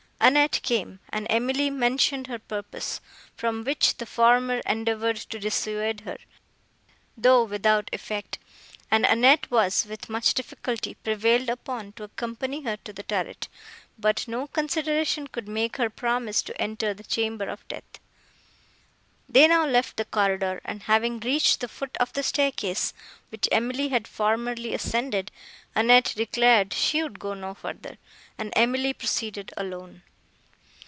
Annette came, and Emily mentioned her purpose, from which the former endeavoured to dissuade her, though without effect, and Annette was, with much difficulty, prevailed upon to accompany her to the turret; but no consideration could make her promise to enter the chamber of death. They now left the corridor, and, having reached the foot of the staircase, which Emily had formerly ascended, Annette declared she would go no further, and Emily proceeded alone.